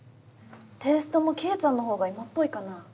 テイストも希恵ちゃんのほうが今っぽいかなぁ。